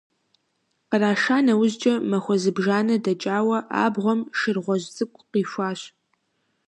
Къраша нэужькӀэ, махуэ зыбжанэ дэкӀауэ, абгъуэм шыр гъуэжь цӀыкӀу къихуащ.